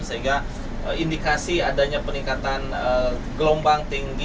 sehingga indikasi adanya peningkatan gelombang tinggi